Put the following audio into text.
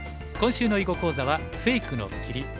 今週の囲碁講座は「フェイクの切り」。